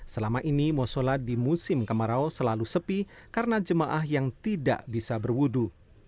selama ini musola di musim kemarau selalu sepi karena jemaah yang tidak bisa berwudu